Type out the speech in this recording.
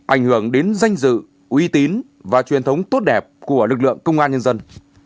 ảnh hưởng đến danh dự uy tín và truyền thống tốt đẹp của lực lượng công an nhân dân